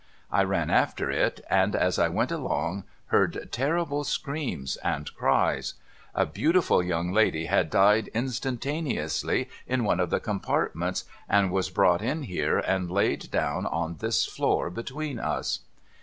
I ran after it, and, as I went along, heard terrible screams and cries. A beautiful young lady had died instantaneously in one of the com partments, and was brought in here, and laid down on this floor between us.'